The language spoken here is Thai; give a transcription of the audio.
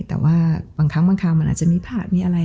แต่ว่าบางครั้งมันอาจจะมีผลักมีอะไร